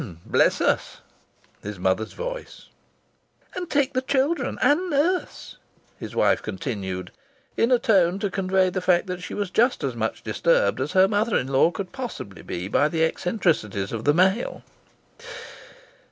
"Bless us!" His mother's voice. "And take the children and nurse!" His wife continued, in a tone to convey the fact that she was just as much disturbed as her mother in law could possibly be by the eccentricities of the male.